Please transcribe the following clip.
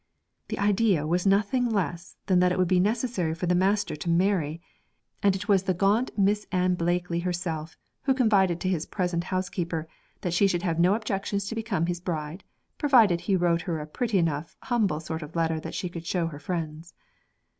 The idea was nothing less than that it would be necessary for the master to marry; and it was the gaunt Miss Ann Blakely herself who confided to his present housekeeper that she should have no objections to become his bride, provided he wrote her a pretty enough, humble sort of letter that she could show to her friends.